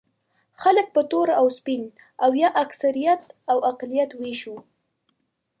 خلک په تور او سپین او یا اکثریت او اقلیت وېشو.